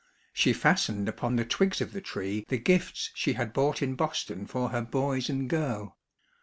She fastened upon the twigs of the tree the gifts she had bought in Boston for her boys and girl.